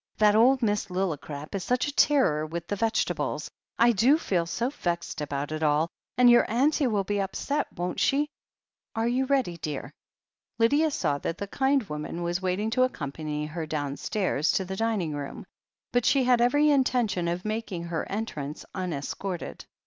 That old Miss Lillicrap is such a' terror with the vegetables. I do feel so vexed about it all — ^and your auntie will be upset, won't she ? Are you ready, dear ?" Lydia saw that the kind woman was waiting to ac company her downstairs to the dining room, but she had every intention of making her entrance tmes corted.